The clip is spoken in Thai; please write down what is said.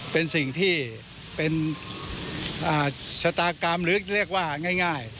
เป็นสิ่งที่เป็นชะตากรรมหรือเรียกว่าง่าย